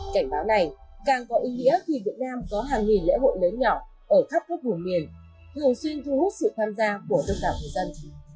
cảnh báo này càng có ý nghĩa khi việt nam có hàng nghìn lễ hội lớn nhỏ ở khắp các vùng miền thường xuyên thu hút sự tham gia của đông đảo người dân